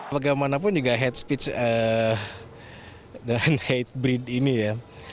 bagaimanapun juga hate speech dan hate breed ini ya